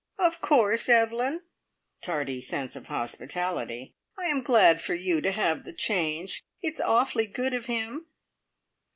Of course, Evelyn" (tardy sense of hospitality!) "I am glad for you to have the change. It's awfully good of him."